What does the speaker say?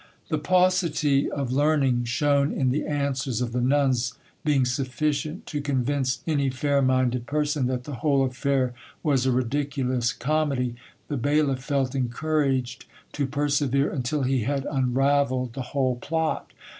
The paucity of learning shown in the answers of the nuns being sufficient to convince any fairminded person that the whole affair was a ridiculous comedy, the bailiff felt encouraged to persevere until he had unravelled the whole plot.